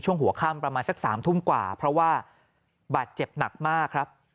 หัวค่ำประมาณสัก๓ทุ่มกว่าเพราะว่าบาดเจ็บหนักมากครับ